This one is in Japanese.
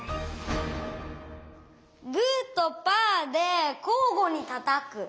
グーとパーでこうごにたたく。